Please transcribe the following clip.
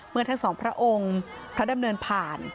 เมื่อทั้งสองพระองค์พระดำเนินผ่าน